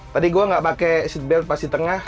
tadi gue ga pake seat belt pas di tengah